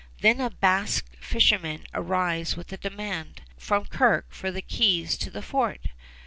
Then a Basque fisherman arrives with a demand, from Kirke for the keys to the fort.